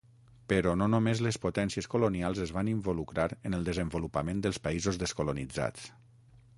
Però no només les potències colonials es van involucrar en el desenvolupament dels països descolonitzats.